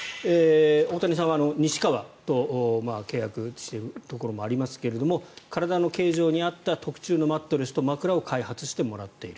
大谷さんは西川と契約しているところもありますが体の形状に合った特注のマットレスと枕を開発してもらっている。